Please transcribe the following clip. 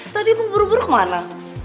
tadi mau buru buru mana